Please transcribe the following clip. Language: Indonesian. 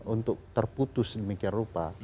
untuk terputus demikian rupa